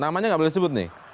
namanya nggak boleh disebut